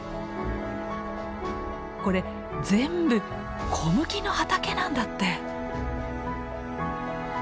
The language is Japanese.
これ全部小麦の畑なんだって！